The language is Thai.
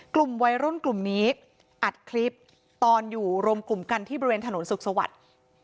กลุ่มวัยรุ่นกลุ่มนี้อัดคลิปตอนอยู่รวมกลุ่มกันที่บริเวณถนนสุขสวัสดิ์